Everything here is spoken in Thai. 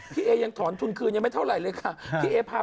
พี่เอ๊พาไปทำเย็ดมาก